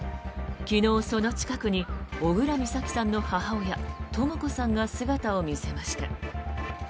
昨日、その近くに小倉美咲さんの母親とも子さんが姿を見せました。